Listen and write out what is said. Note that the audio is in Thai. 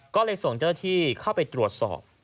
ก็เลยส่งเจ้าหน้าที่เข้าไปตรวจสอบ